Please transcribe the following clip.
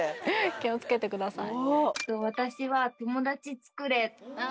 気をつけてください